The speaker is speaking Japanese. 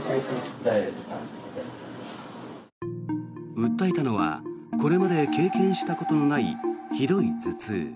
訴えたのはこれまで経験したことのないひどい頭痛。